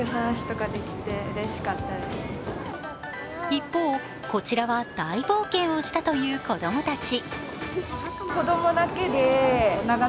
一方、こちらは大冒険をしたというこ子供たち。